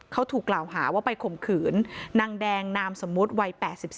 เขาถูกกล่าวหาว่าไปข่มขืนนางแดงนามสมมุติวัย๘๒